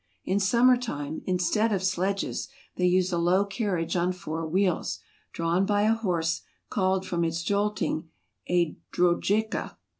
In summer time, instead of sledges, they use a low carriage on four wheels, drawn by a horse, called from its jolting a Drojeka.